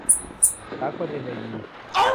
สากล เอนเนอยี